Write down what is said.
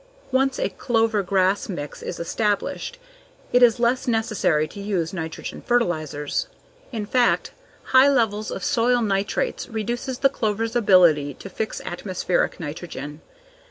Once a clover/grass mix is established it is less necessary to use nitrogen fertilizers. In fact, high levels of soil nitrates reduces the clover's ability to fix atmospheric nitrogen.